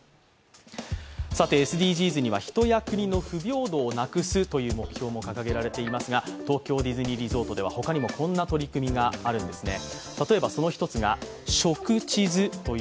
ＳＤＧｓには人や国の不平等をなくすという目標も掲げられていますが、東京ディズニーリゾートでは他にもこんな取り組みがあるんですね。